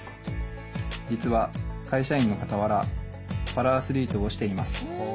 実は会社員のかたわらパラアスリートをしています。